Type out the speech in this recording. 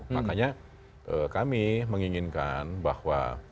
makanya kami menginginkan bahwa